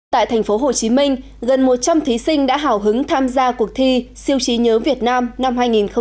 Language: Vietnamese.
tại thành phố hồ chí minh gần một trăm linh thí sinh đã hào hứng tham gia cuộc thi siêu trí nhớ việt nam năm hai nghìn một mươi chín